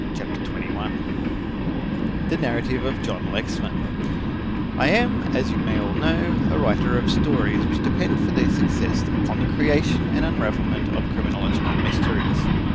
CHAPTER XXI THE NARRATIVE OF JOHN LEXMAN "I am, as you may all know, a writer of stories which depend for their success upon the creation and unravelment of criminological mysteries.